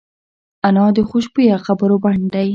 انا د خوشبویه خبرو بڼ دی